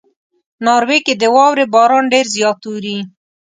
ناروې کې د واورې باران ډېر زیات اوري.